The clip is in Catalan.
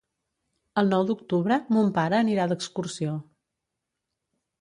El nou d'octubre mon pare anirà d'excursió.